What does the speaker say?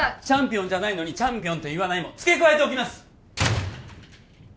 「チャンピオンじゃないのにチャンピオンと言わない」も付け加えておきます！